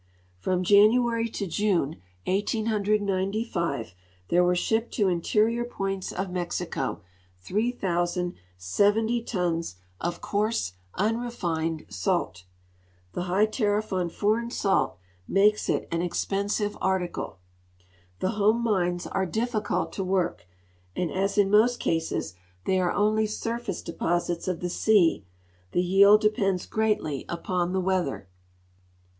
From .Tanuary to .lune, 1895, there were shijiped to interior jtoints of IMexico 3,070 tons of coarse, unrefined salt. The bigh tariff on foreign salt makes it an expensive arti(;le. The home mines are difficult to work, and as in most cases they are only surface deposits of the .sea the yield <lepends greatly upon the weather.